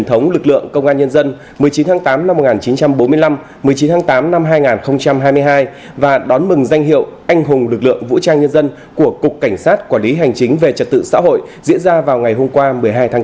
một mươi chín tháng tám năm hai nghìn hai mươi hai và đón mừng danh hiệu anh hùng lực lượng vũ trang nhân dân của cục cảnh sát quản lý hành chính về trật tự xã hội diễn ra vào ngày hôm qua một mươi hai tháng tám